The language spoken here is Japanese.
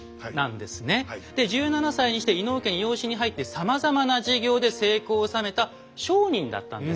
で１７歳にして伊能家に養子に入ってさまざまな事業で成功を収めた商人だったんです。